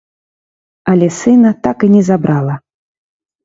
Але сына так і не забрала.